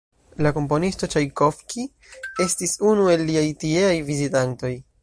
La komponisto Ĉajkovskij estis unu el liaj tieaj vizitantoj.